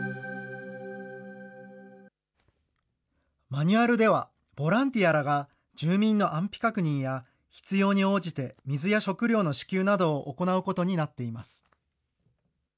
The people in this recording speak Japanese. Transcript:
マニュアルでは、ボランティアらが住民の安否確認や、必要に応じて水や食料の支給などを行うことになっています。